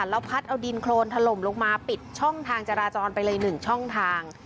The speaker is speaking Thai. แล้วพัดเอาดินโครนถล่มลงมาปิดช่องทางจราจรไปเลย๑ช่องทาง